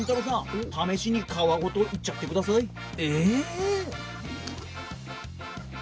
さん試しに皮ごといっちゃってください。